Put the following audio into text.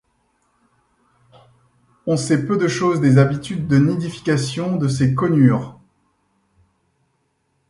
On sait peu de choses des habitudes de nidification de ces conures.